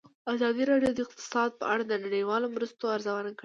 ازادي راډیو د اقتصاد په اړه د نړیوالو مرستو ارزونه کړې.